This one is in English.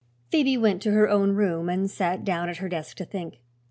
Phoebe went to her own room and sat down at her desk to think.